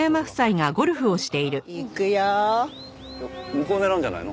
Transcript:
向こう狙うんじゃないの？